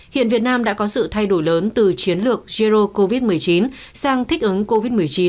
hiện việt nam đã có sự thay đổi lớn từ chiến lược zero covid một mươi chín sang thích ứng covid một mươi chín